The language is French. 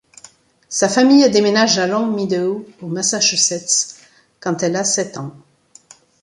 Sa famille déménage à Longmeadow au Massachusetts quand elle a sept ans.